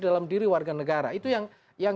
dalam diri warga negara itu yang